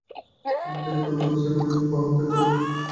মেয়েদের এই এক অদ্ভুত সাইকোলজি, উপহার দেবার বেলায় কবিতার বই খোঁজে।